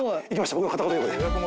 僕の片言英語で。